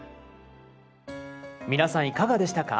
皆さんいかがでしたか？